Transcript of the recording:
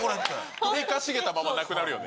首かしげたままになるよね。